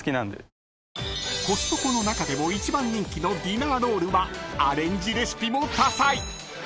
［コストコの中でも一番人気のディナーロールはアレンジレシピも多彩］